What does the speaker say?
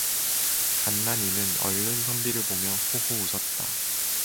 간난이는 얼른 선비를 보며 호호 웃었다.